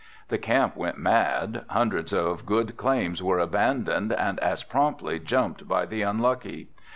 The camp went mad, hundreds of good claims were abandoned and as promptly jumped by the unlucky.